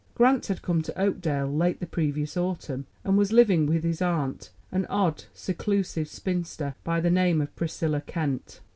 Grant had come to Oakdale late the previous autumn, and was living with his aunt, an odd, seclusive spinster, by the name of Priscilla Kent.